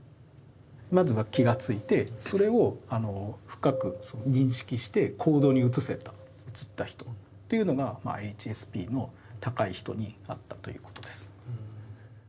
まずは気が付いてそれを深く認識して行動に移せた、移った人というのがＨＳＰの高い人にあったということです。